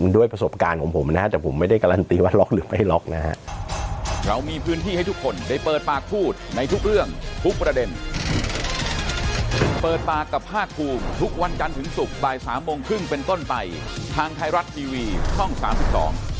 ด้วยประสบการณ์ของผมนะฮะแต่ผมไม่ได้การันตีว่าล็อกหรือไม่ล็อกนะฮะ